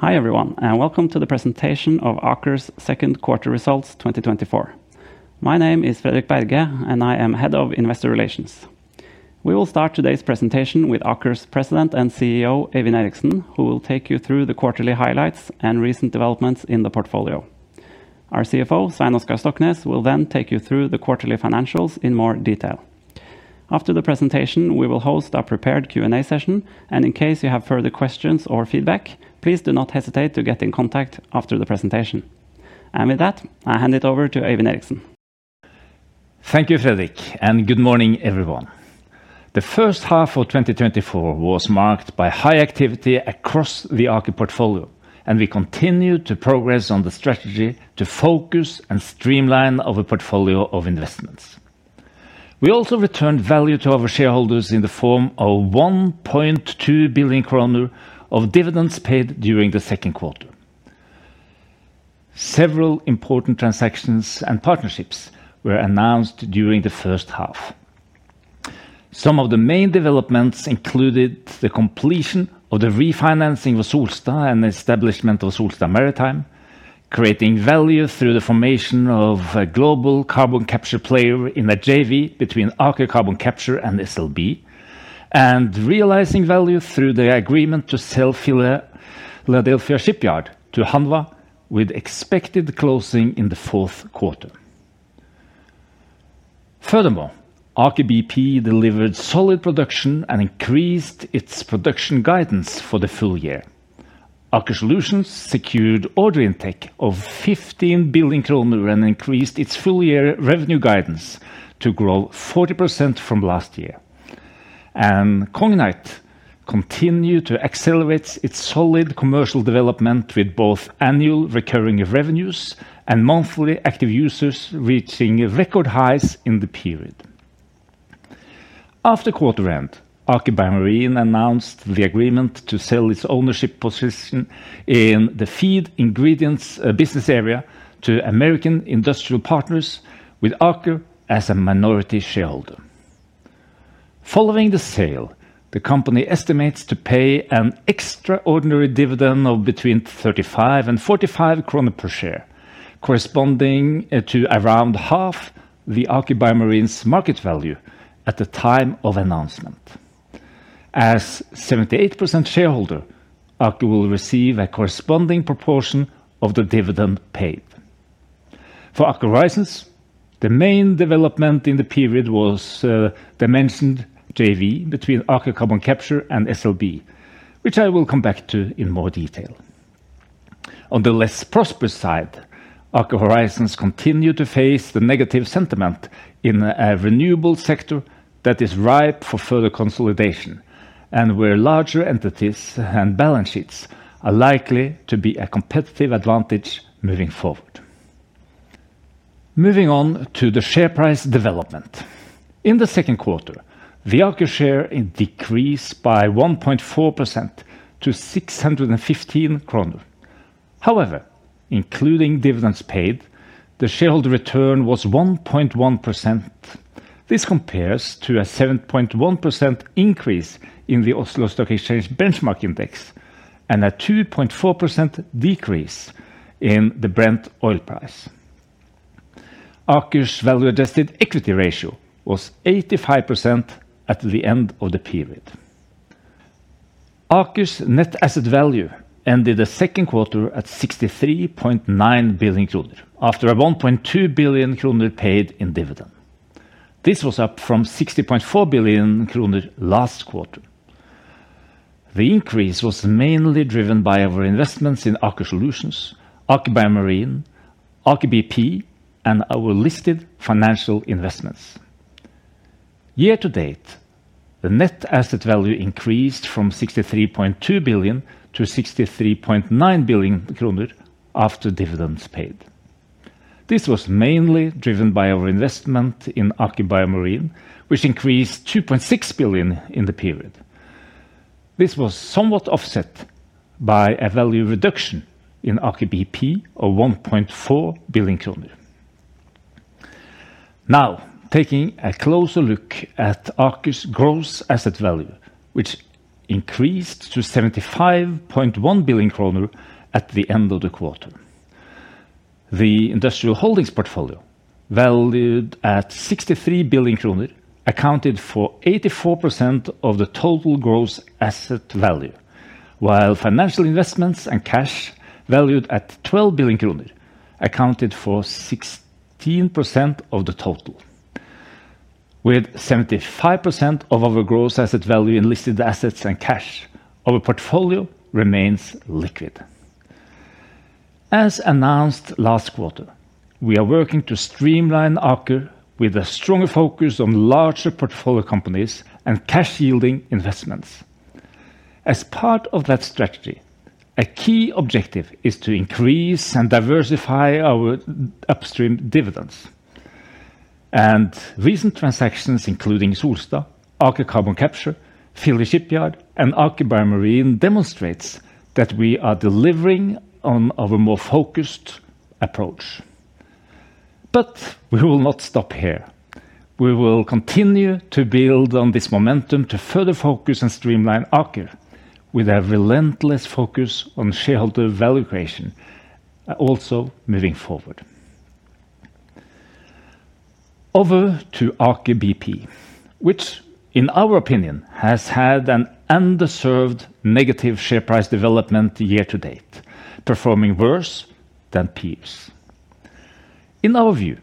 Hi, everyone, and welcome to the presentation of Aker's second quarter results 2024. My name is Fredrik Berge, and I am Head of Investor Relations. We will start today's presentation with Aker's President and CEO, Øyvind Eriksen, who will take you through the quarterly highlights and recent developments in the portfolio. Our CFO, Svein Oskar Stoknes, will then take you through the quarterly financials in more detail. After the presentation, we will host a prepared Q&A session, and in case you have further questions or feedback, please do not hesitate to get in contact after the presentation. With that, I hand it over to Øyvind Eriksen. Thank you, Fredrik, and good morning, everyone. The first half of 2024 was marked by high activity across the Aker portfolio, and we continued to progress on the strategy to focus and streamline of a portfolio of investments. We also returned value to our shareholders in the form of 1.2 billion kroner of dividends paid during the second quarter. Several important transactions and partnerships were announced during the first half. Some of the main developments included the completion of the refinancing of Solstad and establishment of Solstad Maritime, creating value through the formation of a global carbon capture player in the JV between Aker Carbon Capture and SLB, and realizing value through the agreement to sell Philly Shipyard to Hanwha, with expected closing in the fourth quarter. Furthermore, Aker BP delivered solid production and increased its production guidance for the full year. Aker Solutions secured order intake of 15 billion kroner and increased its full-year revenue guidance to grow 40% from last year. Cognite continued to accelerate its solid commercial development, with both annual recurring revenues and monthly active users reaching record highs in the period. After quarter end, Aker BioMarine announced the agreement to sell its ownership position in the feed ingredients business area to American Industrial Partners with Aker as a minority shareholder. Following the sale, the company estimates to pay an extraordinary dividend of between 35 and 45 krone per share, corresponding to around half the Aker BioMarine's market value at the time of announcement. As 78% shareholder, Aker will receive a corresponding proportion of the dividend paid. For Aker Horizons, the main development in the period was the mentioned JV between Aker Carbon Capture and SLB, which I will come back to in more detail. On the less prosperous side, Aker Horizons continued to face the negative sentiment in a renewable sector that is ripe for further consolidation, and where larger entities and balance sheets are likely to be a competitive advantage moving forward. Moving on to the share price development. In the second quarter, the Aker share decreased by 1.4% to 615 kroner. However, including dividends paid, the shareholder return was 1.1%. This compares to a 7.1% increase in the Oslo Stock Exchange benchmark index and a 2.4% decrease in the Brent oil price. Aker's value-adjusted equity ratio was 85% at the end of the period. Aker's net asset value ended the second quarter at 63.9 billion kroner, after a 1.2 billion kroner paid in dividend. This was up from 60.4 billion kroner last quarter. The increase was mainly driven by our investments in Aker Solutions, Aker BioMarine, Aker BP, and our listed financial investments. Year to date, the net asset value increased from 63.2 billion to 63.9 billion kroner after dividends paid. This was mainly driven by our investment in Aker BioMarine, which increased 2.6 billion in the period. This was somewhat offset by a value reduction in Aker BP of 1.4 billion kroner. Now, taking a closer look at Aker's gross asset value, which increased to 75.1 billion kroner at the end of the quarter. The industrial holdings portfolio, valued at 63 billion kroner, accounted for 84% of the total gross asset value, while financial investments and cash, valued at 12 billion kroner, accounted for 16% of the total. With 75% of our gross asset value in listed assets and cash, our portfolio remains liquid. As announced last quarter, we are working to streamline Aker with a stronger focus on larger portfolio companies and cash-yielding investments. As part of that strategy, a key objective is to increase and diversify our upstream dividends. And recent transactions, including Solstad, Aker Carbon Capture, Philly Shipyard, and Aker BioMarine, demonstrates that we are delivering on our more focused approach. But we will not stop here. We will continue to build on this momentum to further focus and streamline Aker, with a relentless focus on shareholder value creation, also moving forward. Over to Aker BP, which in our opinion, has had an underserved negative share price development year to date, performing worse than peers. In our view,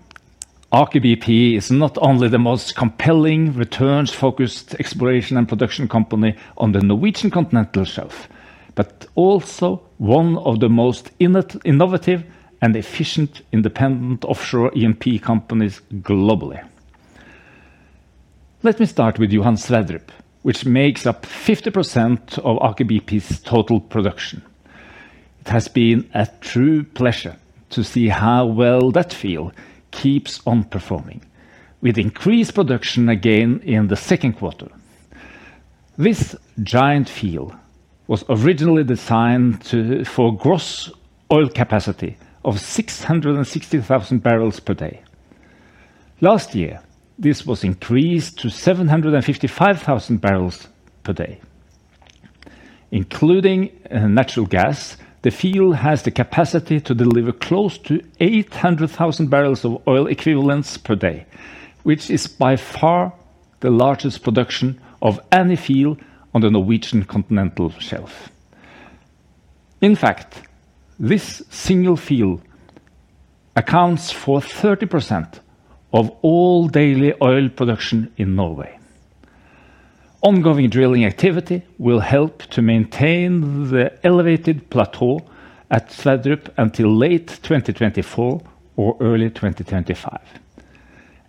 Aker BP is not only the most compelling returns-focused exploration and production company on the Norwegian Continental Shelf, but also one of the most innovative and efficient independent offshore E&P companies globally. Let me start with Johan Sverdrup, which makes up 50% of Aker BP's total production. It has been a true pleasure to see how well that field keeps on performing, with increased production again in the second quarter. This giant field was originally designed to, for gross oil capacity of 660,000 barrels per day. Last year, this was increased to 755,000 barrels per day. Including natural gas, the field has the capacity to deliver close to 800,000 barrels of oil equivalents per day, which is by far the largest production of any field on the Norwegian Continental Shelf. In fact, this single field accounts for 30% of all daily oil production in Norway. Ongoing drilling activity will help to maintain the elevated plateau at Sverdrup until late 2024 or early 2025.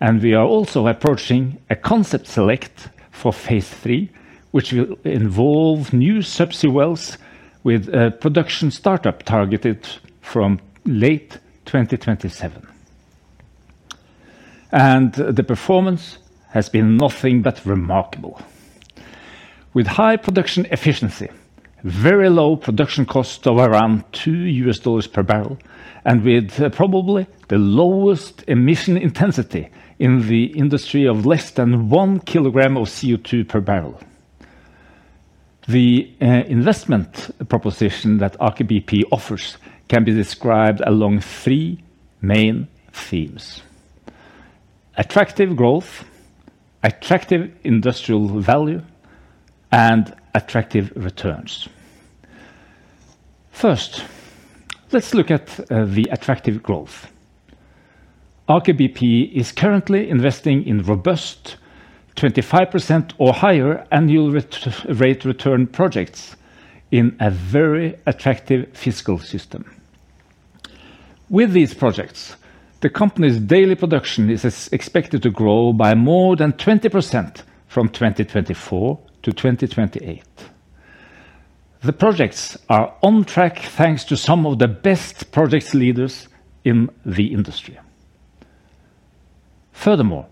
And we are also approaching a concept select for phase three, which will involve new subsea wells with a production startup targeted from late 2027. And the performance has been nothing but remarkable. With high production efficiency, very low production cost of around $2 per barrel, and with probably the lowest emission intensity in the industry of less than 1 kg of CO2 per barrel. The investment proposition that Aker BP offers can be described along three main themes: attractive growth, attractive industrial value, and attractive returns. First, let's look at the attractive growth. Aker BP is currently investing in robust 25% or higher annual rate return projects in a very attractive fiscal system. With these projects, the company's daily production is expected to grow by more than 20% from 2024 to 2028. The projects are on track, thanks to some of the best project leaders in the industry. Furthermore,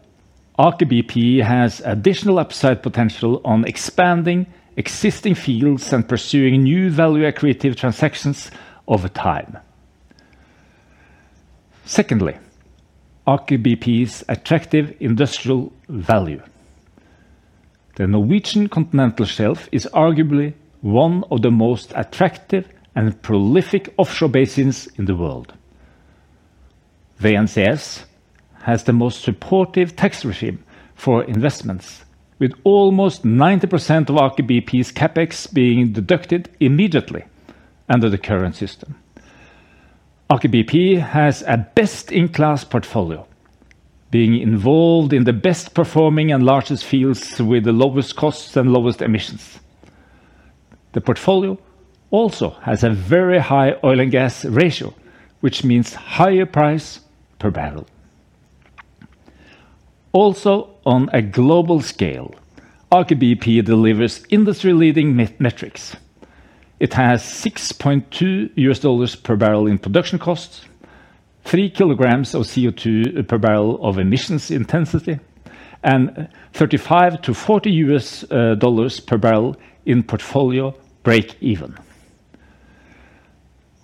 Aker BP has additional upside potential on expanding existing fields and pursuing new value creative transactions over time. Secondly, Aker BP's attractive industrial value. The Norwegian Continental Shelf is arguably one of the most attractive and prolific offshore basins in the world. The NCS has the most supportive tax regime for investments, with almost 90% of Aker BP's CapEx being deducted immediately under the current system. Aker BP has a best-in-class portfolio, being involved in the best performing and largest fields with the lowest costs and lowest emissions. The portfolio also has a very high oil and gas ratio, which means higher price per barrel. Also, on a global scale, Aker BP delivers industry-leading metrics. It has $6.2 per barrel in production costs, 3 kg of CO2 per barrel of emissions intensity, and $35-$40 per barrel in portfolio breakeven.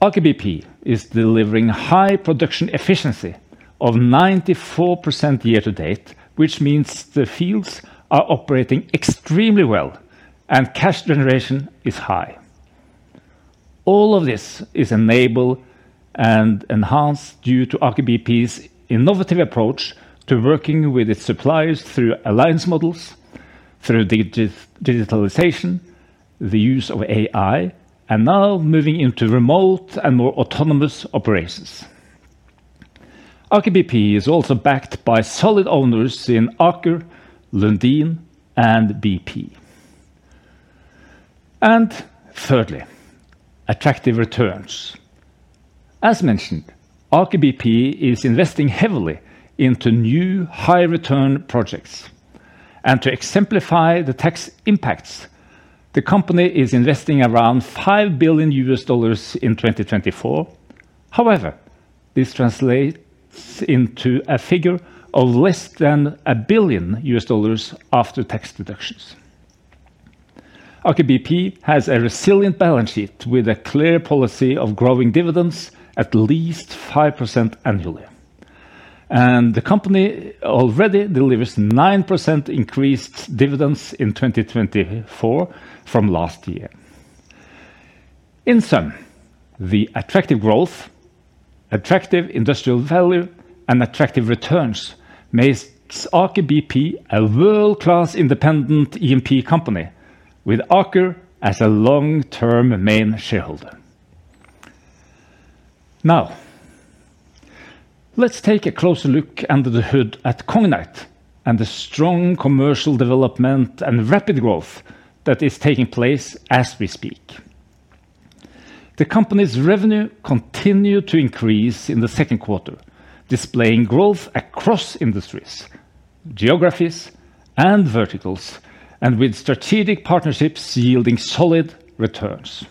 Aker BP is delivering high production efficiency of 94% year to date, which means the fields are operating extremely well and cash generation is high. All of this is enabled and enhanced due to Aker BP's innovative approach to working with its suppliers through alliance models, through digitalization, the use of AI, and now moving into remote and more autonomous operations. Aker BP is also backed by solid owners in Aker, Lundin, and BP. Thirdly, attractive returns. As mentioned, Aker BP is investing heavily into new high return projects. To exemplify the tax impacts, the company is investing around $5 billion in 2024. However, this translates into a figure of less than $1 billion after tax deductions. Aker BP has a resilient balance sheet with a clear policy of growing dividends at least 5% annually. The company already delivers 9% increased dividends in 2024 from last year. In sum, the attractive growth, attractive industrial value, and attractive returns makes Aker BP a world-class independent E&P company, with Aker as a long-term main shareholder. Now, let's take a closer look under the hood at Cognite and the strong commercial development and rapid growth that is taking place as we speak. The company's revenue continued to increase in the second quarter, displaying growth across industries, geographies, and verticals, and with strategic partnerships yielding solid returns.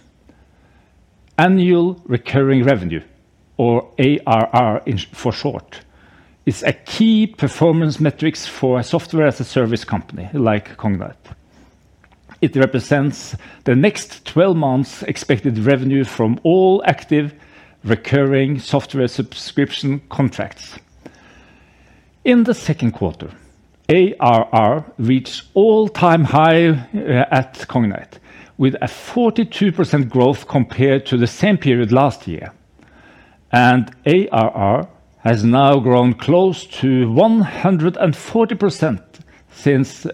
Annual recurring revenue, or ARR for short, is a key performance metrics for a software as a service company like Cognite. It represents the next 12 months expected revenue from all active recurring software subscription contracts. In the second quarter, ARR reached all-time high at Cognite, with a 42% growth compared to the same period last year, and ARR has now grown close to 140% since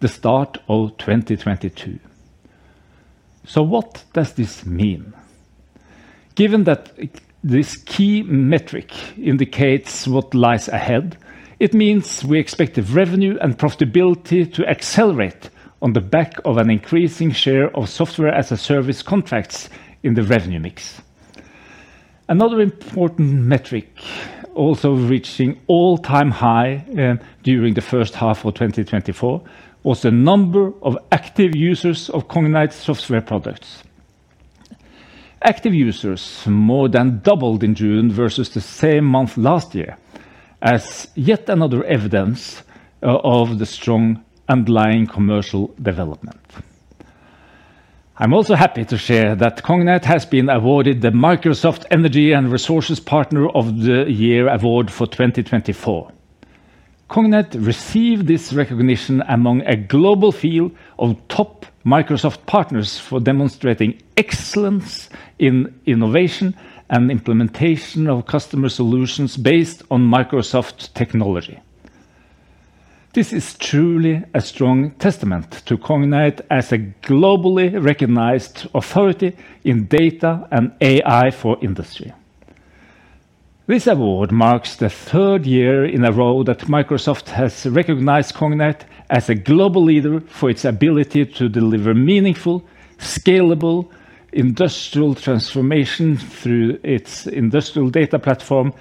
the start of 2022. So what does this mean? Given that this key metric indicates what lies ahead, it means we expect the revenue and profitability to accelerate on the back of an increasing share of software-as-a-service contracts in the revenue mix. Another important metric also reaching all-time high during the first half of 2024 was the number of active users of Cognite software products. Active users more than doubled in June versus the same month last year, as yet another evidence of the strong underlying commercial development. I'm also happy to share that Cognite has been awarded the Microsoft Energy and Resources Partner of the Year award for 2024. Cognite received this recognition among a global field of top Microsoft partners for demonstrating excellence in innovation and implementation of customer solutions based on Microsoft technology. This is truly a strong testament to Cognite as a globally recognized authority in data and AI for industry. This award marks the third year in a row that Microsoft has recognized Cognite as a global leader for its ability to deliver meaningful, scalable industrial transformation through its industrial data platform,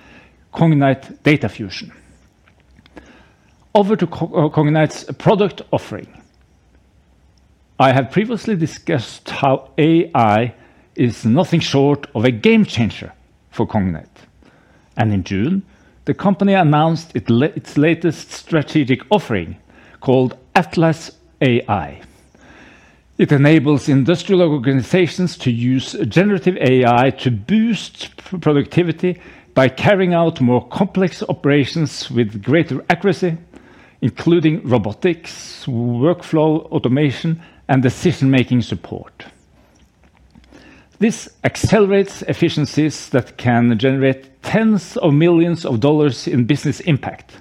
Cognite Data Fusion. Over to Cognite's product offering. I have previously discussed how AI is nothing short of a game changer for Cognite, and in June, the company announced its latest strategic offering called Atlas AI. It enables industrial organizations to use generative AI to boost productivity by carrying out more complex operations with greater accuracy, including robotics, workflow, automation, and decision-making support. This accelerates efficiencies that can generate tens of millions of dollars in business impact.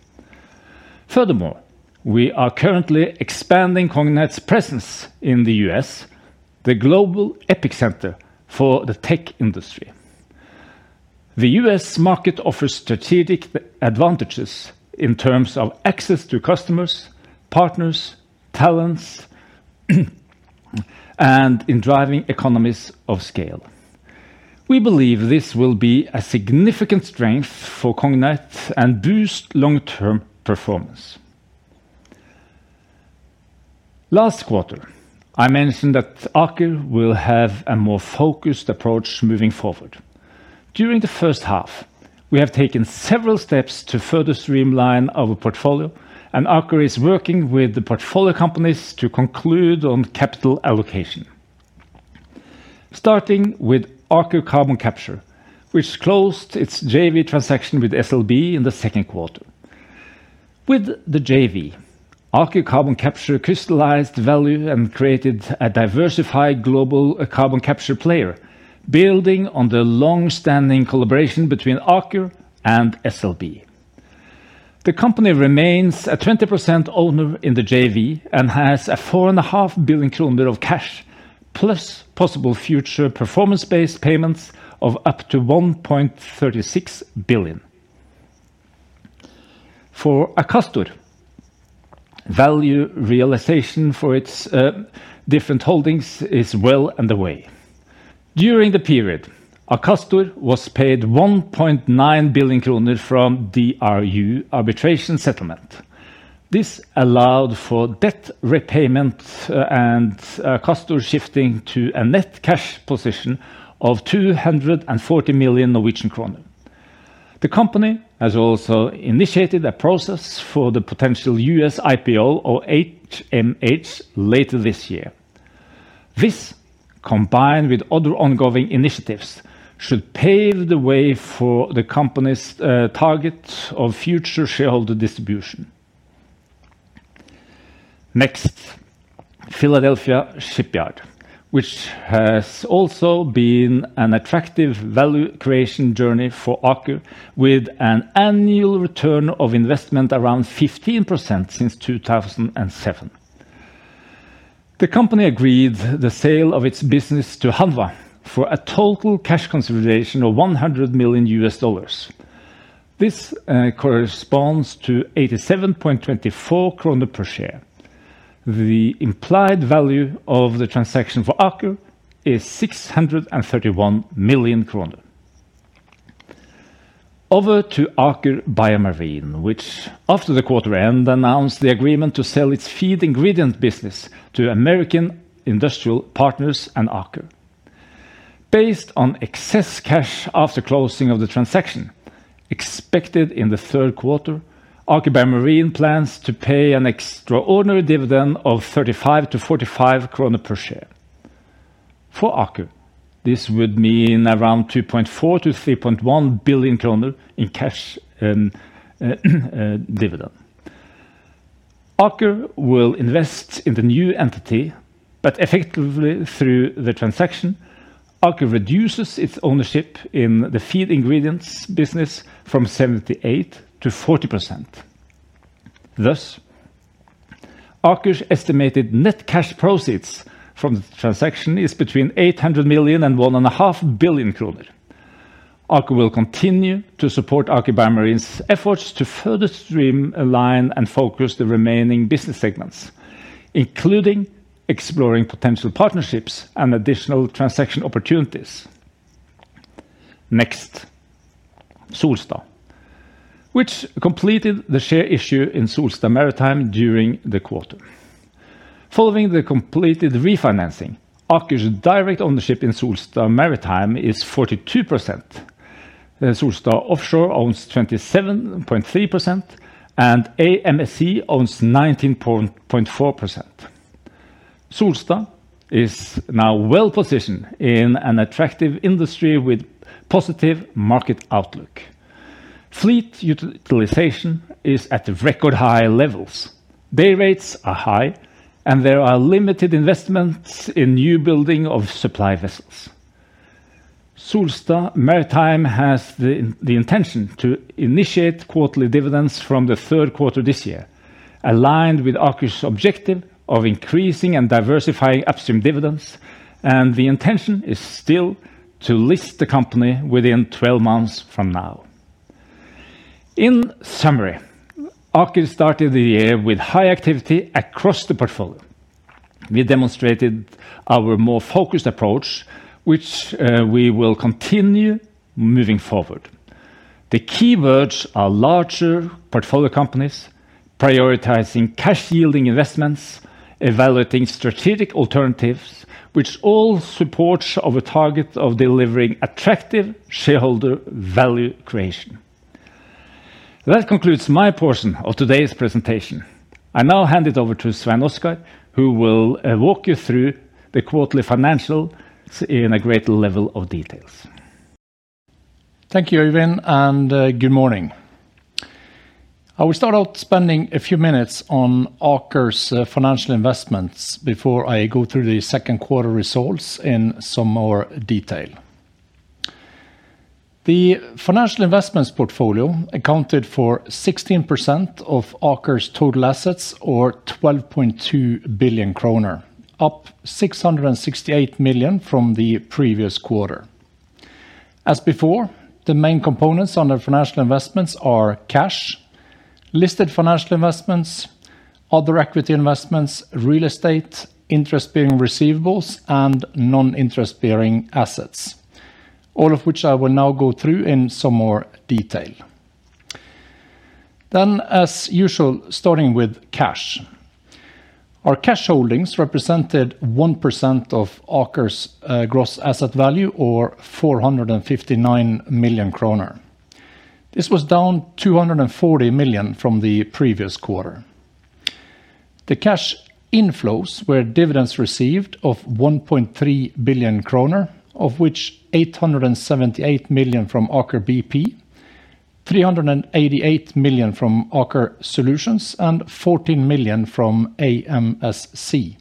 Furthermore, we are currently expanding Cognite's presence in the U.S., the global epicenter for the tech industry. The U.S. market offers strategic advantages in terms of access to customers, partners, talents, and in driving economies of scale. We believe this will be a significant strength for Cognite and boost long-term performance. Last quarter, I mentioned that Aker will have a more focused approach moving forward. During the first half, we have taken several steps to further streamline our portfolio, and Aker is working with the portfolio companies to conclude on capital allocation. Starting with Aker Carbon Capture, which closed its JV transaction with SLB in the second quarter. With the JV, Aker Carbon Capture crystallized value and created a diversified global, a carbon capture player, building on the long-standing collaboration between Aker and SLB. The company remains a 20% owner in the JV and has 4.5 billion kroner of cash, plus possible future performance-based payments of up to 1.36 billion. For Akastor, value realization for its different holdings is well on the way. During the period, Akastor was paid 1.9 billion kroner from the DRU arbitration settlement. This allowed for debt repayment and Akastor shifting to a net cash position of 240 million Norwegian kroner. The company has also initiated a process for the potential U.S. IPO or HMH later this year. This, combined with other ongoing initiatives, should pave the way for the company's target of future shareholder distribution. Next, Philly Shipyard, which has also been an attractive value creation journey for Aker, with an annual return of investment around 15% since 2007. The company agreed the sale of its business to Hanwha for a total cash consideration of $100 million. This corresponds to 87.24 kroner per share. The implied value of the transaction for Aker is 631 million kroner. Over to Aker BioMarine, which, after the quarter end, announced the agreement to sell its feed ingredient business to American Industrial Partners and Aker. Based on excess cash after closing of the transaction, expected in the third quarter, Aker BioMarine plans to pay an extraordinary dividend of 35-45 krone per share. For Aker, this would mean around 2.4 billion-3.1 billion krone NOK in cash and dividend. Aker will invest in the new entity, but effectively through the transaction, Aker reduces its ownership in the feed ingredients business from 78% to 40%. Thus, Aker's estimated net cash proceeds from the transaction is between 800 million and 1.5 billion kroner. Aker will continue to support Aker BioMarine's efforts to further streamline, align, and focus the remaining business segments, including exploring potential partnerships and additional transaction opportunities. Next, Solstad, which completed the share issue in Solstad Maritime during the quarter. Following the completed refinancing, Aker's direct ownership in Solstad Maritime is 42%. Solstad Offshore owns 27.3%, and AMSC owns 19.4%. Solstad is now well-positioned in an attractive industry with positive market outlook. Fleet utilization is at record high levels. Day rates are high, and there are limited investments in new building of supply vessels. Solstad Maritime has the intention to initiate quarterly dividends from the third quarter this year, aligned with Aker's objective of increasing and diversifying upstream dividends, and the intention is still to list the company within 12 months from now. In summary, Aker started the year with high activity across the portfolio. We demonstrated our more focused approach, which we will continue moving forward. The key words are larger portfolio companies, prioritizing cash-yielding investments, evaluating strategic alternatives, which all supports our target of delivering attractive shareholder value creation. That concludes my portion of today's presentation. I now hand it over to Svein Oskar, who will walk you through the quarterly financials in a greater level of details. Thank you, Øyvind, and good morning. I will start out spending a few minutes on Aker's financial investments before I go through the second quarter results in some more detail. The financial investments portfolio accounted for 16% of Aker's total assets or 12.2 billion kroner, up 668 million from the previous quarter. As before, the main components under financial investments are cash, listed financial investments, other equity investments, real estate, interest-bearing receivables, and non-interest-bearing assets, all of which I will now go through in some more detail. Then, as usual, starting with cash. Our cash holdings represented 1% of Aker's gross asset value or 459 million kroner. This was down 240 million from the previous quarter. The cash inflows were dividends received of 1.3 billion kroner, of which 878 million from Aker BP, 388 million from Aker Solutions, and 14 million from AMSC,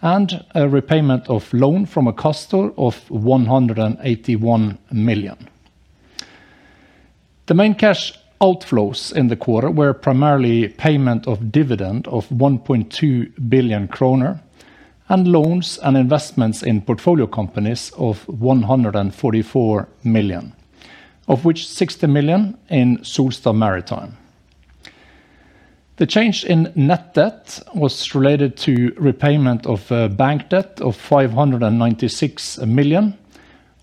and a repayment of loan from Akastor of 181 million. The main cash outflows in the quarter were primarily payment of dividend of 1.2 billion kroner, and loans and investments in portfolio companies of 144 million, of which 60 million in Solstad Maritime. The change in net debt was related to repayment of bank debt of 596 million,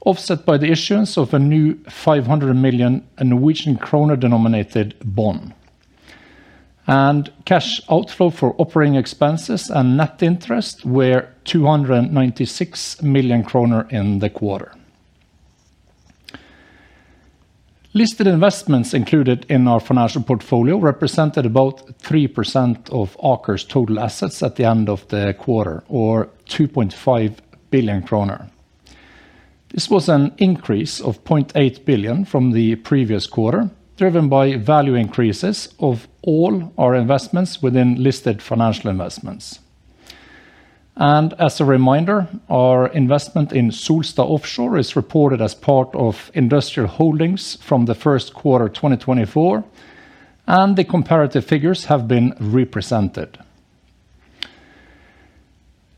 offset by the issuance of a new 500 million, Norwegian kroner-denominated bond. Cash outflow for operating expenses and net interest were 296 million kroner in the quarter. Listed investments included in our financial portfolio represented about 3% of Aker's total assets at the end of the quarter, or 2.5 billion kroner. This was an increase of 0.8 billion from the previous quarter, driven by value increases of all our investments within listed financial investments. As a reminder, our investment in Solstad Offshore is reported as part of industrial holdings from the first quarter 2024, and the comparative figures have been represented.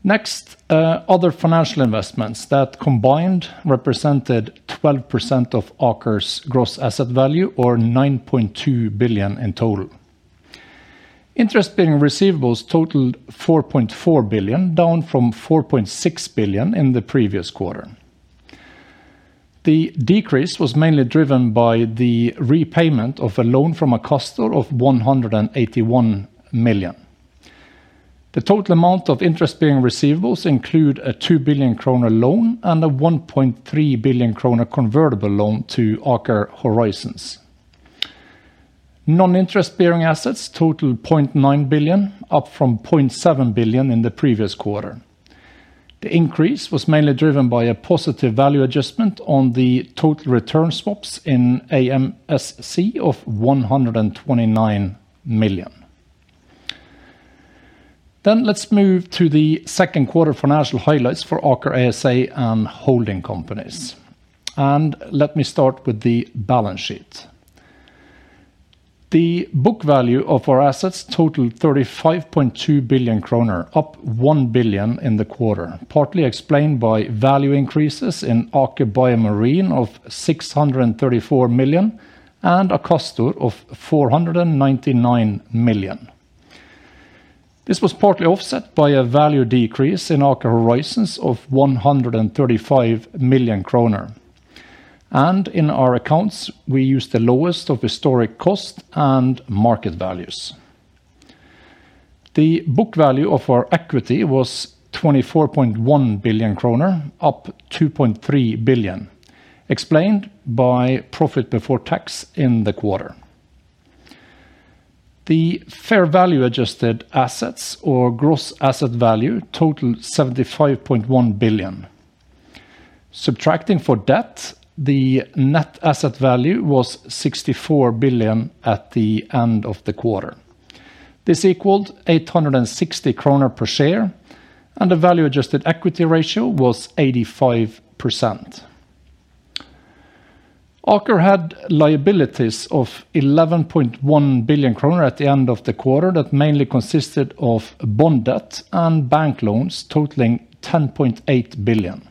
Next, other financial investments that combined represented 12% of Aker's gross asset value, or 9.2 billion in total. Interest-bearing receivables totaled 4.4 billion, down from 4.6 billion in the previous quarter. The decrease was mainly driven by the repayment of a loan from a customer of 181 million. The total amount of interest-bearing receivables include a 2 billion kroner loan and a 1.3 billion kroner convertible loan to Aker Horizons. Non-interest-bearing assets total 0.9 billion, up from 0.7 billion in the previous quarter. The increase was mainly driven by a positive value adjustment on the total return swaps in AMSC of 129 million. Then let's move to the second quarter financial highlights for Aker ASA and holding companies. Let me start with the balance sheet. The book value of our assets totaled 35.2 billion kroner, up 1 billion in the quarter, partly explained by value increases in Aker BioMarine of 634 million, and Akastor 499 million. This was partly offset by a value decrease in Aker Horizons of 135 million kroner. In our accounts, we use the lowest of historic cost and market values. The book value of our equity was 24.1 billion kroner, up 2.3 billion, explained by profit before tax in the quarter. The fair value-adjusted assets or gross asset value totaled 75.1 billion. Subtracting for debt, the net asset value was 64 billion at the end of the quarter. This equaled 860 kroner per share, and the value-adjusted equity ratio was 85%. Aker had liabilities of 11.1 billion kroner at the end of the quarter that mainly consisted of bond debt and bank loans totaling 10.8 billion.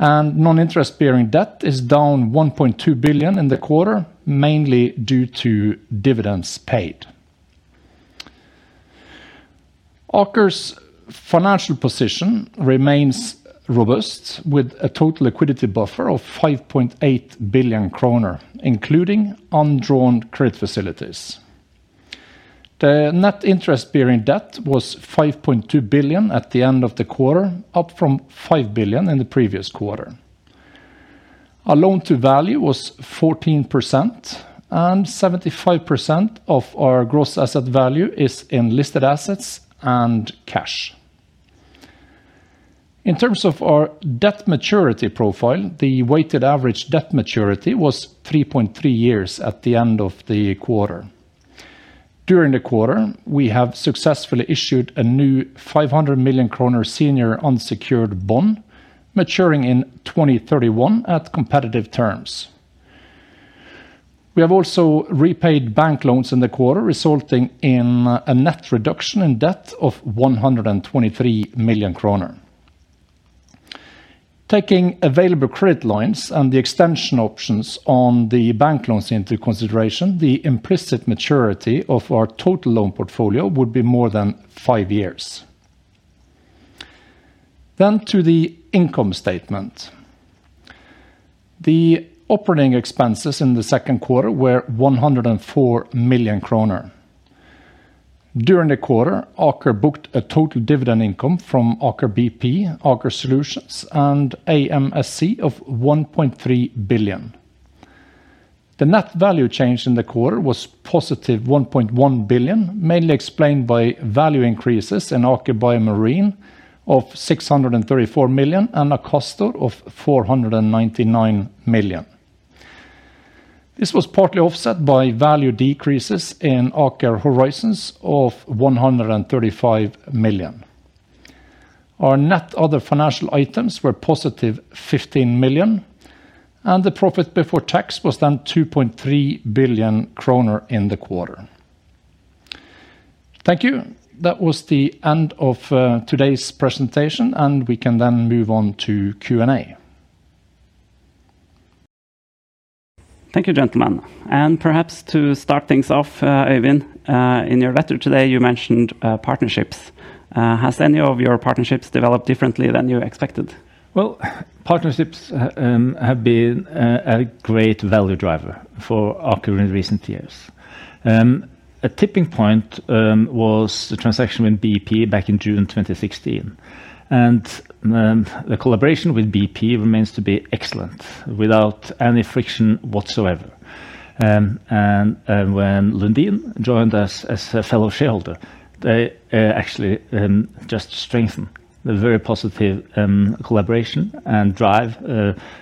Non-interest-bearing debt is down 1.2 billion in the quarter, mainly due to dividends paid. Aker's financial position remains robust, with a total liquidity buffer of 5.8 billion kroner, including undrawn credit facilities. The net interest-bearing debt was 5.2 billion at the end of the quarter, up from 5 billion in the previous quarter. Our loan to value was 14%, and 75% of our gross asset value is in listed assets and cash. In terms of our debt maturity profile, the weighted average debt maturity was 3.3 years at the end of the quarter. During the quarter, we have successfully issued a new 500 million kroner senior unsecured bond, maturing in 2031 at competitive terms. We have also repaid bank loans in the quarter, resulting in a net reduction in debt of 123 million kroner. Taking available credit lines and the extension options on the bank loans into consideration, the implicit maturity of our total loan portfolio would be more than five years. Then to the income statement. The operating expenses in the second quarter were 104 million kroner. During the quarter, Aker booked a total dividend income from Aker BP, Aker Solutions, and AMSC of 1.3 billion. The net value change in the quarter was positive 1.1 billion, mainly explained by value increases in Aker BioMarine of 634 million and Akastor 499 million. This was partly offset by value decreases in Aker Horizons of 135 million. Our net other financial items were positive 15 million, and the profit before tax was then 2.3 billion kroner in the quarter. Thank you. That was the end of today's presentation, and we can then move on to Q&A. Thank you, gentlemen. Perhaps to start things off, Øyvind, in your letter today, you mentioned partnerships. Has any of your partnerships developed differently than you expected? Well, partnerships have been a great value driver for Aker in recent years. A tipping point was the transaction with BP back in June 2016. The collaboration with BP remains to be excellent, without any friction whatsoever. When Lundin joined us as a fellow shareholder, they actually just strengthened the very positive collaboration and drive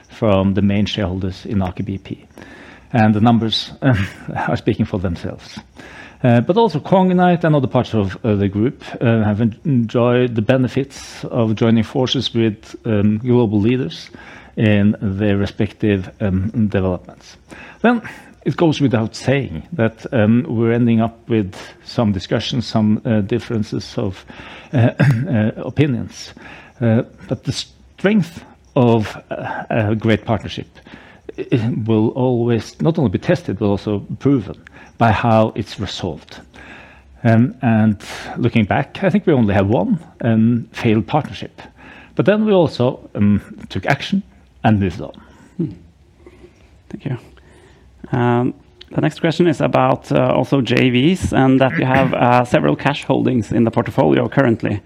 from the main shareholders in Aker BP. The numbers are speaking for themselves. But also Cognite and other parts of the group have enjoyed the benefits of joining forces with global leaders in their respective developments. Then it goes without saying that we're ending up with some discussions, some differences of opinions. But the strength of a great partnership will always not only be tested, but also proven by how it's resolved. And looking back, I think we only have one failed partnership. But then we also took action and moved on. Mm-hmm. Thank you. The next question is about also JVs, and that you have several cash holdings in the portfolio currently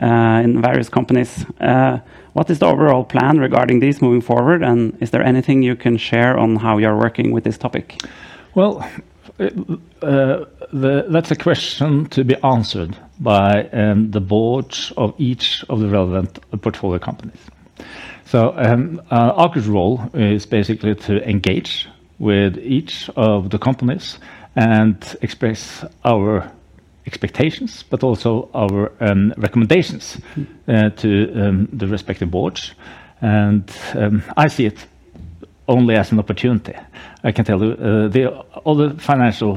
in various companies. What is the overall plan regarding these moving forward? And is there anything you can share on how you are working with this topic? Well, that's a question to be answered by the boards of each of the relevant portfolio companies. So, Aker's role is basically to engage with each of the companies and express our expectations, but also our recommendations. Mm-hmm To the respective boards. I see it only as an opportunity. I can tell you, the other financial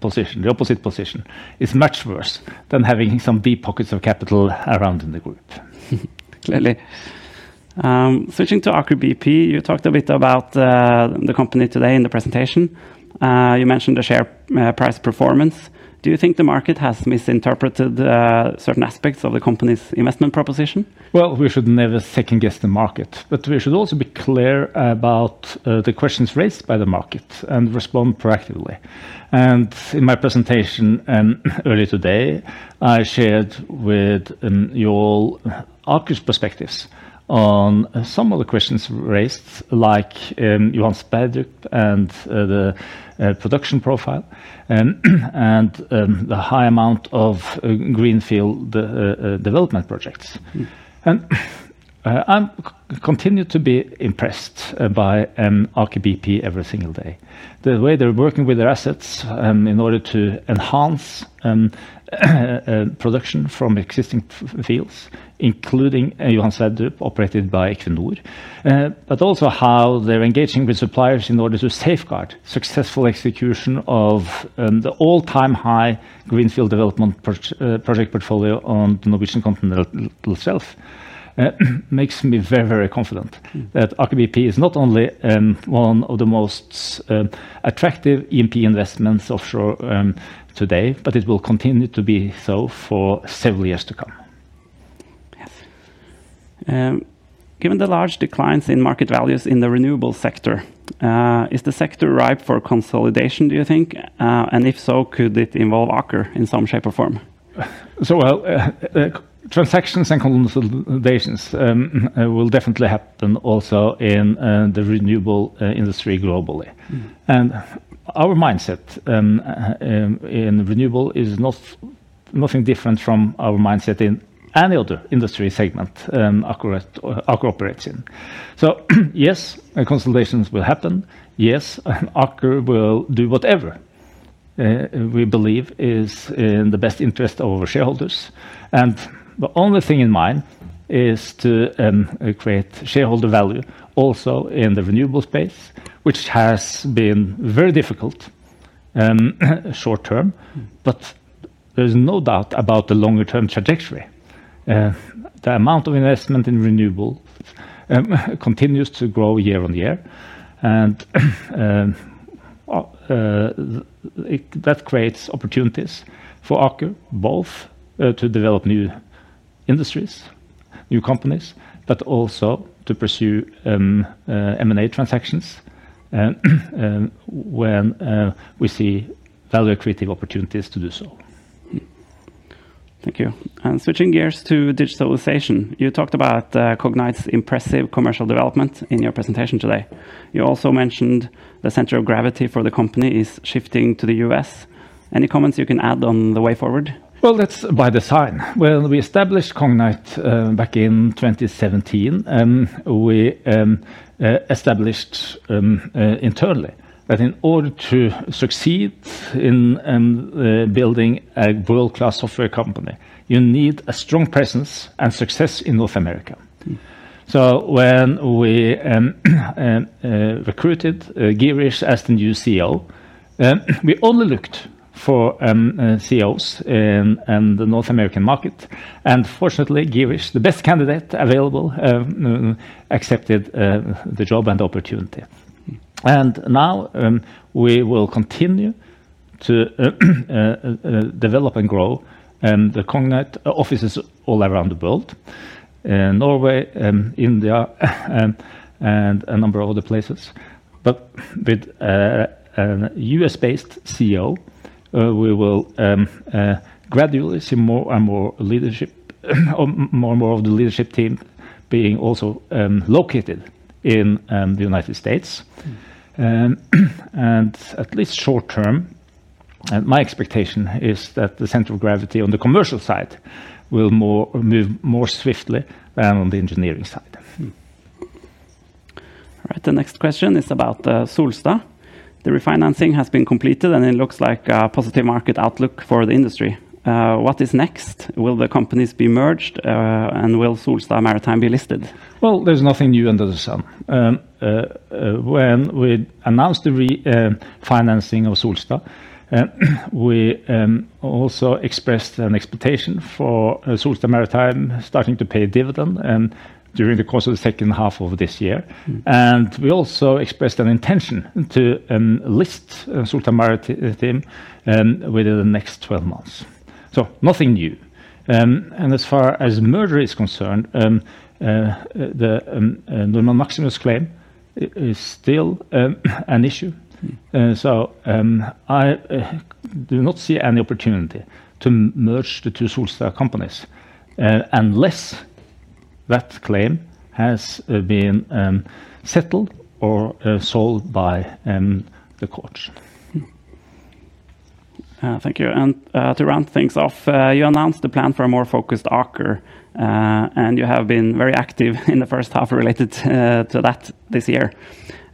position, the opposite position, is much worse than having some deep pockets of capital around in the group. Clearly. Switching to Aker BP, you talked a bit about the company today in the presentation. You mentioned the share price performance. Do you think the market has misinterpreted certain aspects of the company's investment proposition? Well, we should never second-guess the market, but we should also be clear about the questions raised by the market and respond proactively. And in my presentation, and earlier today, I shared with you all Aker's perspectives on some of the questions raised, like, Johan Sverdrup and the production profile, and the high amount of greenfield development projects. Mm-hmm. I'm continue to be impressed by Aker BP every single day. The way they're working with their assets in order to enhance production from existing fields, including Johan Sverdrup, operated by Equinor. But also how they're engaging with suppliers in order to safeguard successful execution of the all-time high greenfield development portfolio on the Norwegian Continental Shelf. Makes me very, very confident. Mm-hmm That Aker BP is not only one of the most attractive E&P investments offshore today, but it will continue to be so for several years to come. Yes. Given the large declines in market values in the renewable sector, is the sector ripe for consolidation, do you think? And if so, could it involve Aker in some shape or form? Well, transactions and consolidations will definitely happen also in the renewable industry globally. Mm-hmm. And our mindset in renewable is not nothing different from our mindset in any other industry segment Aker operates in. So yes, consolidations will happen. Yes, Aker will do whatever we believe is in the best interest of our shareholders. And the only thing in mind is to create shareholder value also in the renewable space, which has been very difficult short term. Mm-hmm But there's no doubt about the longer-term trajectory. The amount of investment in renewable continues to grow year on year. And that creates opportunities for Aker, both to develop new industries, new companies, but also to pursue M&A transactions when we see value-creating opportunities to do so. Mm-hmm. Thank you. And switching gears to digitalization, you talked about Cognite's impressive commercial development in your presentation today. You also mentioned the center of gravity for the company is shifting to the U.S. Any comments you can add on the way forward? Well, that's by design. When we established Cognite, back in 2017, we established internally that in order to succeed in building a world-class software company, you need a strong presence and success in North America. Mm-hmm. So when we recruited Girish as the new CEO. We only looked for CEOs in the North American market, and fortunately, Girish, the best candidate available, accepted the job and opportunity. And now, we will continue to develop and grow, and the Cognite offices all around the world, in Norway, India, and a number of other places. But with a U.S. based CEO, we will gradually see more and more leadership, or more and more of the leadership team being also located in the United States. And at least short term, and my expectation is that the center of gravity on the commercial side will move more swiftly than on the engineering side. All right, the next question is about Solstad. The refinancing has been completed, and it looks like a positive market outlook for the industry. What is next? Will the companies be merged, and will Solstad Maritime be listed? Well, there's nothing new under the sun. When we announced the refinancing of Solstad, we also expressed an expectation for Solstad Maritime starting to pay a dividend, and during the course of the second half of this year. We also expressed an intention to list Solstad Maritime within the next 12 months. So nothing new. As far as merger is concerned, the Maximus claim is still an issue. Mm-hmm. I do not see any opportunity to merge the two Solstad companies unless that claim has been settled or solved by the courts. Thank you. To round things off, you announced the plan for a more focused Aker, and you have been very active in the first half related to, to that this year.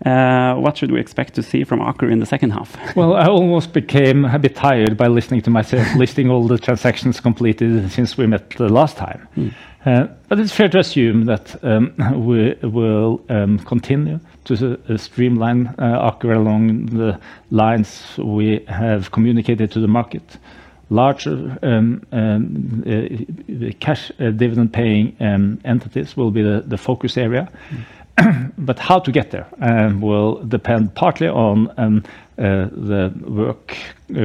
What should we expect to see from Aker in the second half? Well, I almost became a bit tired by listening to myself, listing all the transactions completed since we met the last time. Mm-hmm. But it's fair to assume that we will continue to streamline Aker along the lines we have communicated to the market. Larger cash dividend-paying entities will be the focus area. But how to get there will depend partly on the work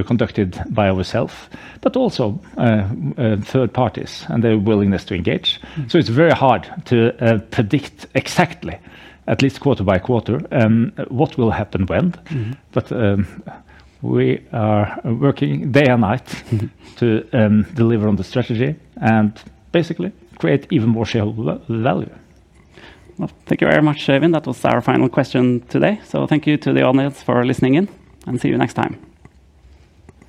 conducted by ourselves, but also third parties and their willingness to engage. Mm-hmm. It's very hard to predict exactly, at least quarter by quarter, what will happen when. Mm-hmm. We are working day and night to deliver on the strategy and basically create even more shareholder value. Well, thank you very much, Even. That was our final question today. Thank you to the audience for listening in, and see you next time.